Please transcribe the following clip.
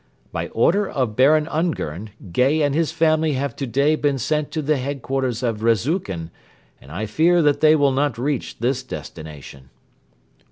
By order of Baron Ungern, Gay and his family have today been sent to the headquarters of Rezukhin and I fear that they will not reach this destination."